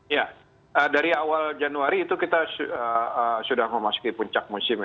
ya dari awal januari itu kita sudah memasuki puncak musim ya